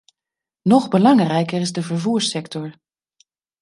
Nog belangrijker is de vervoerssector.